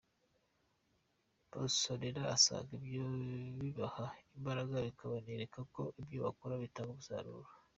Musonera asanga ibyo bibaha imbaraga bikanabereka ko ibyo bakora bitanga umusaruro.